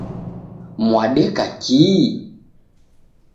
Mwadeka kii?